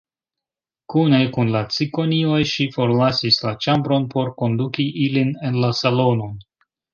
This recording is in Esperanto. Kune kun la cikonioj ŝi forlasis la ĉambron, por konduki ilin en la salonon.